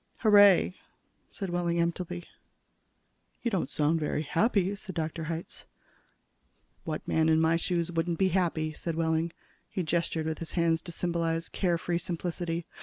"Hooray," said Wehling emptily. "You don't sound very happy," said Dr. Hitz. "What man in my shoes wouldn't be happy?" said Wehling. He gestured with his hands to symbolize care free simplicity.